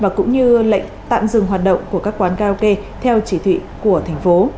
và cũng như lệnh tạm dừng hoạt động của các quán karaoke theo chỉ thị của thành phố